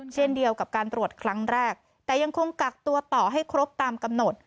เช่นเดียวกับการตรวจครั้งแรกแต่ยังคงกักตัวต่อให้ครบตามกำหนด